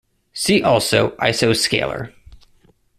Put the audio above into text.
See also Isoscalar.